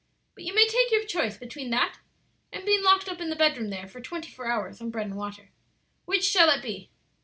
But you may take your choice between that and being locked up in the bedroom there for twenty four hours, on bread and water. Which shall it be?"